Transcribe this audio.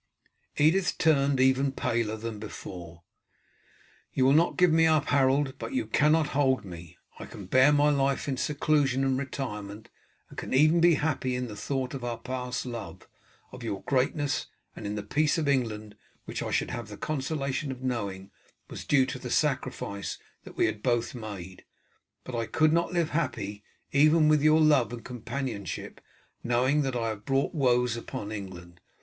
Edith turned even paler than before. "You will not give me up, Harold, but you cannot hold me. I can bear my life in seclusion and retirement, and can even be happy in the thought of our past love, of your greatness, and in the peace of England, which, I should have the consolation of knowing, was due to the sacrifice that we had both made, but I could not live happy, even with your love and your companionship, knowing that I have brought woes upon England.